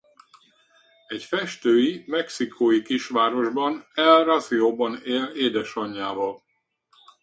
Egy festői mexikói kisvárosban, El Rosarióban él édesanyjával.